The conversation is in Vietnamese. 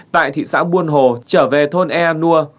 tại thị xã buôn hồ trở về thôn ea nu